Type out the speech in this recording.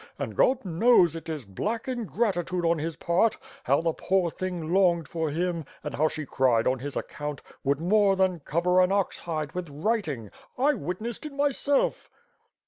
And God knows, it is black ingrati tude on his part; for, how the poor thing longed for him, and how she cried on his account, would more than cover an ox hide with writing. I witnessed it myself."